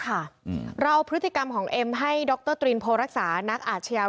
ครับเราเอาพฤติกรรมของเอ็มให้ด๊อกเตอร์ตรีนโพล์รักษานักอาชีวิทยา